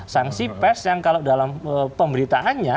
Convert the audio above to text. sanksi pers yang kalau dalam pemberitaannya